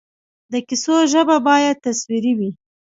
د کیسو ژبه باید تصویري وي.